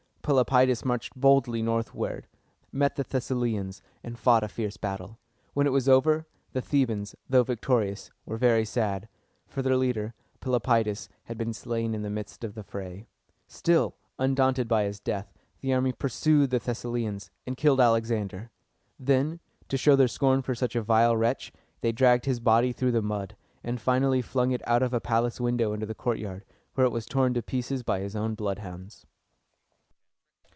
Pelopidas marched boldly northward, met the Thessalians, and fought a fierce battle. When it was over, the Thebans, although victorious, were very sad; for their leader, Pelopidas, had been slain in the midst of the fray. Still, undaunted by his death, the army pursued the Thessalians, and killed Alexander. Then, to show their scorn for such a vile wretch, they dragged his body through the mud, and finally flung it out of a palace window into the courtyard, where it was torn to pieces by his own bloodhounds.